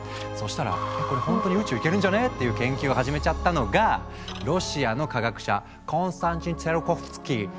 そしたら「えこれほんとに宇宙行けるんじゃね？」っていう研究を始めちゃったのがロシアの科学者コンスタンチン・ツィオルコフスキー。